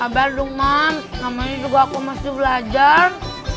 kabar dong man kamarnya juga aku masih belajar